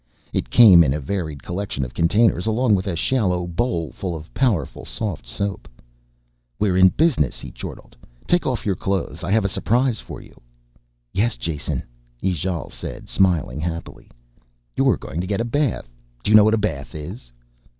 It came in a varied collection of containers along with a shallow bowl full of powerful soft soap. "We're in business," he chortled. "Take your clothes off, I have a surprise for you." "Yes, Jason," Ijale said, smiling happily. "You're going to get a bath. Do you know what a bath is?"